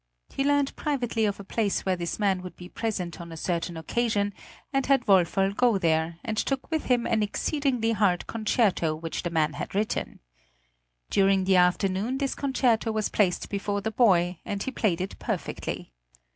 He learned privately of a place where this man would be present on a certain occasion, and had Woferl go there, and took with him an exceedingly hard concerto which the man had written. During the afternoon this concerto was placed before the boy, and he played it perfectly.